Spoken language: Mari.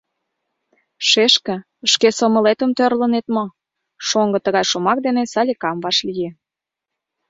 — Шешке, шке сомылетым тӧрлынет мо? — шоҥго тыгай шомак дене Саликам вашлие.